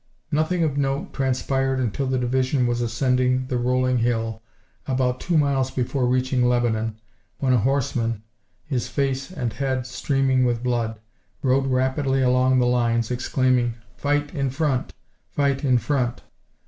Nothing of note transpired until the division was ascending the rolling hill about two miles before reaching Lebanon, when a horseman, his face and head streaming with blood, rode rapidly along the lines, exclaiming: "Fight in front! Fight in front!"